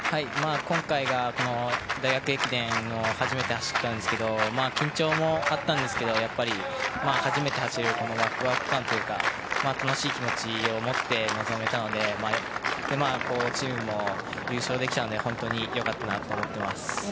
今回、大学駅伝を初めて走ったんですが緊張もあったんですけど初めて走るワクワク感というか楽しい気持ちを持って臨めたのでチームも優勝できたので本当によかったなと思います。